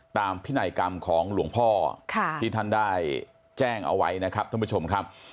พินัยกรรมของหลวงพ่อที่ท่านได้แจ้งเอาไว้นะครับท่านผู้ชมครับ